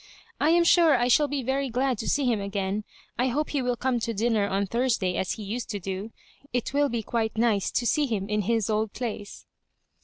"I am sure I shall be very glad to see him again. I hope he will come to dinner on Thursday as he used to do. It will be quite nice to see him in his old place."